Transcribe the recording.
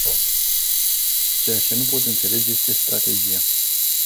Ceea ce nu pot înțelege este strategia.